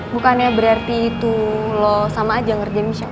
bukannya berarti itu lo sama aja ngerjain chef